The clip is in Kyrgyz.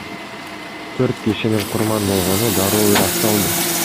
Төрт кишинин курман болгону дароо ырасталды.